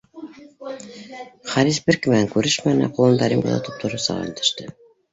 Харис бер кем менән күрешмәне, ҡулында рюмка тотоп тороусыға өндәште: